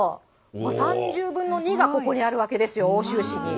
３０分の２がここにあるわけですよ、奥州市に。